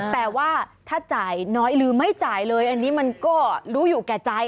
แต่ว่าถ้าจ่ายน้อยหรือไม่จ่ายเลยอันนี้มันก็รู้อยู่แก่ใจ